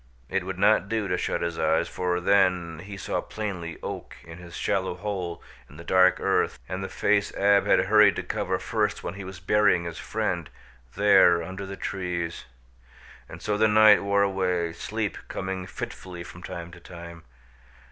It would not do to shut his eyes, for then he saw plainly Oak in his shallow hole in the dark earth and the face Ab had hurried to cover first when he was burying his friend, there under the trees. And so the night wore away, sleep coming fitfully from time to time.